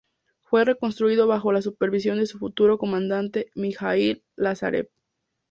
Fue reconstruido bajo la supervisión de su futuro comandante, Mijaíl Lázarev.